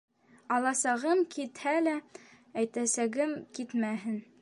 Аласағым китһә лә, әйтәсәгем китмәһен.